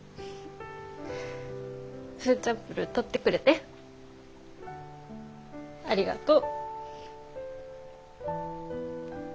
フーチャンプルー取ってくれてありがとう。